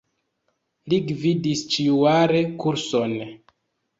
Li gvidis ĉiujare kurson.